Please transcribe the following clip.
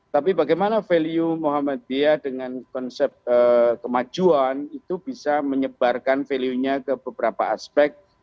tapi bagaimana value muhammadiyah dengan konsep kemajuan itu bisa menyebarkan value nya ke beberapa aspek